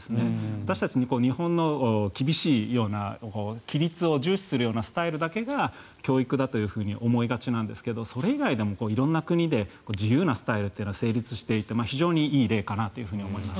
私たち日本の厳しいような規律を重視するようなスタイルだけが教育だと思いがちなんですがそれ以外でも色んな国で自由なスタイルというのは成立していて非常にいい例かなと思います。